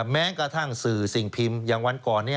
แม้กระทั่งสื่อสิ่งพิมพ์อย่างวันก่อน